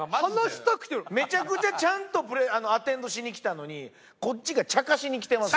めちゃくちゃちゃんとアテンドしに来たのにこっちがちゃかしに来てます。